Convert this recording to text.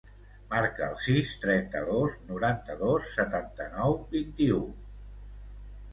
Marca el sis, trenta-dos, noranta-dos, setanta-nou, vint-i-u.